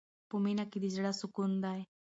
په مینه کې د زړه سکون دی.